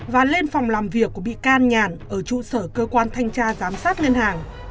và lên phòng làm việc của bị can nhàn ở trụ sở cơ quan thanh tra giám sát ngân hàng